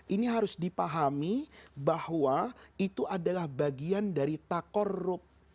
ini harus dipahami bahwa itu adalah bagian dari takorup